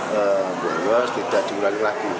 mereka yang bolos tidak diulangi lagi